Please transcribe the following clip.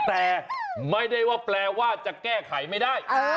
แต่ไม่ได้ว่าแปลว่าจะแก้ไขไม่ได้